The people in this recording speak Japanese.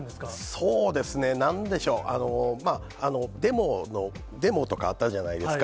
そうですね、なんでしょう、デモとかあったじゃないですか。